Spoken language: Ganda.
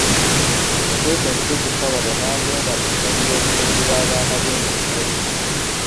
Yateeka empiso ku kkabada n'agenda mu ffumbiro okufumbira abaana be emmere.